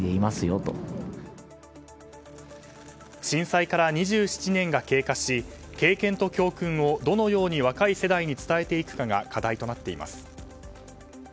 震災から２７年が経過し経験と教訓をどのように若い世代に伝えていくかが課題となっています。